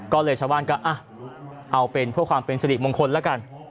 ก็เลยชาวบ้านก็เอาเป็นเพื่อความเป็นสิริมงคลแล้วกัน